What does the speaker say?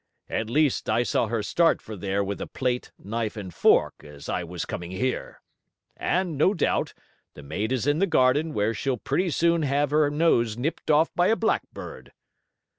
"At least I saw her start for there with a plate, knife and fork as I was coming here. And, no doubt, the maid is in the garden, where she'll pretty soon have her nose nipped off by a blackbird."